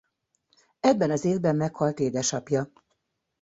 Ebben az évben meghalt édesapja.